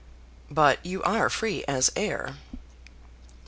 "But you are free as air."